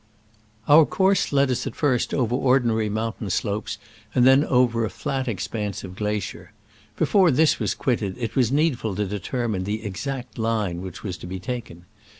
* Our course led us at first over ordi nary mountain slopes, and then over a flat expanse of glacier. Before this was quitted it was needful to determine the exact line which was to be taken.